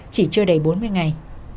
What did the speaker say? chỉ chưa đầy bốn mươi ngày